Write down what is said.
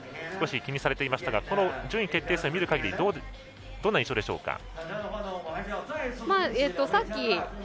少し気にされていましたが順位決定戦、見るかぎりどんな印象でしょうか。